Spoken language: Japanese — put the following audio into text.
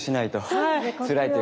はい。